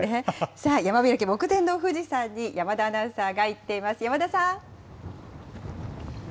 さあ、山開き目前の富士山に山田アナウンサーが行っています。